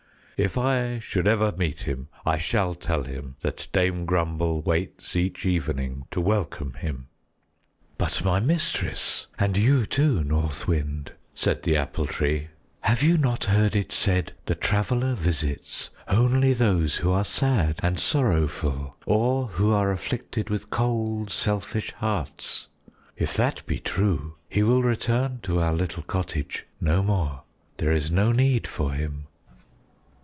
If I should ever meet him, I shall tell him that Dame Grumble waits each evening to welcome him." "But my mistress, and you too, North Wind," said the Apple Tree, "have you not heard it said the Traveler visits only those who are sad and sorrowful, or who are afflicted with cold, selfish hearts? If that be true, he will return to our little cottage no more; there is no need for him."